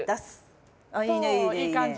いい感じ！